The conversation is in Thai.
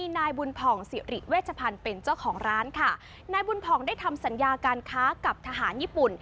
นายบุญพองศิริเวชภัณฑ์ได้ทำสัญญาการค้ากับทหารญี่ปุ่น